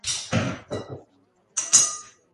Annisquam is primarily a residential neighborhood.